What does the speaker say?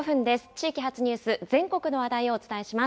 地域発ニュース、全国の話題をお伝えします。